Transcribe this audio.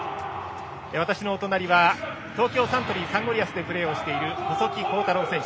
私のお隣は東京サントリーサンゴリアスでプレーしている細木康太郎選手。